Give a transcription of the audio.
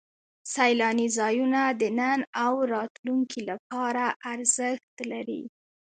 سیلاني ځایونه د نن او راتلونکي لپاره ارزښت لري.